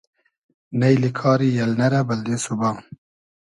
نݷلی کاری النۂ رۂ بئلدې سوبا